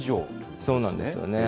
そうなんですよね。